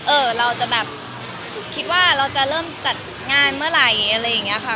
เราจะแบบคิดว่าเราจะเริ่มจัดงานเมื่อไหร่อะไรอย่างนี้ค่ะ